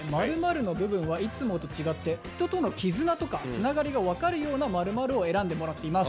○の部分はいつもと違って人との絆とかつながりが分かるような○○を選んでもらっています。